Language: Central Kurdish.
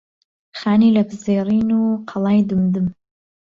خانی لەپزێڕین و قەڵای دمدم